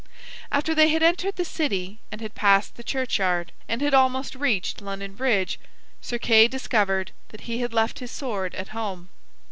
After they had entered the city, and had passed the churchyard, and had almost reached London bridge, Sir Kay discovered that he had left his sword at home.